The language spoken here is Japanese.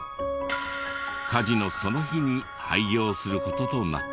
火事のその日に廃業する事となった。